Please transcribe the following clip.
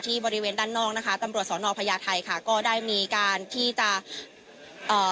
บริเวณด้านนอกนะคะตำรวจสอนอพญาไทยค่ะก็ได้มีการที่จะเอ่อ